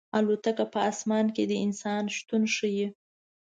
الوتکه په اسمان کې د انسان شتون ښيي.